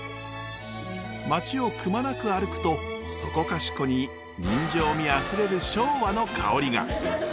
町をくまなく歩くとそこかしこに人情味あふれる昭和のかおりが。